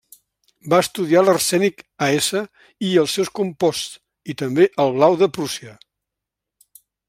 Va estudiar l'arsènic, As, i els seus composts, i també el blau de Prússia.